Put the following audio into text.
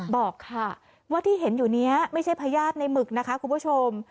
บอกค่ะว่าที่เห็นอยู่นี้ไม่ใช่พญาติในหมึกนะคะคุณผู้ชม